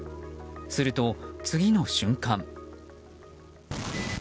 すると、次の瞬間。